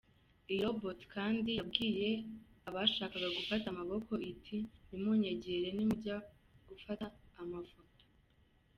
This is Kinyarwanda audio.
Iyi robot kandi yabwiye abashakaga gufata amafoto iti “Ntimunyegere nimujya gufata amafoto.